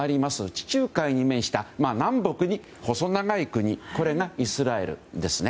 地中海に面した南北に細長い国これがイスラエルです。